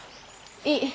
いい。